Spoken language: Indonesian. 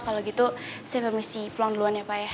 kalau gitu saya mesti pulang duluan ya pak ya